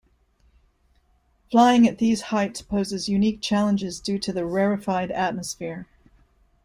Flying at these heights poses unique challenges due to the rarefied atmosphere.